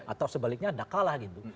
atau sebaliknya ada kalah gitu